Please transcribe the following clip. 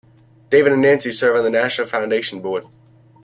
David and Nancy serve on the Nasher Foundation Board.